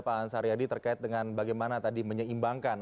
pak ansari yadi terkait dengan bagaimana tadi menyeimbangkan